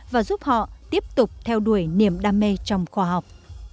và giúp họ tiếp tục theo đuổi niềm đam mê trong khoa học